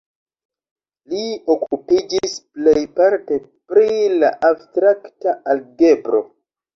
Li okupiĝis plejparte pri la abstrakta algebro.